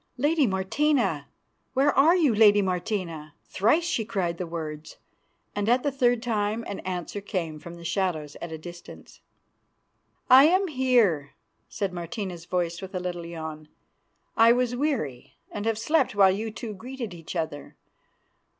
Lady Martina! Where are you, lady Martina?" Thrice she cried the words, and at the third time an answer came from the shadows at a distance. "I am here," said Martina's voice with a little yawn. "I was weary and have slept while you two greeted each other.